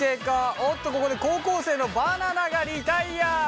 おっとここで高校生のバナナがリタイア。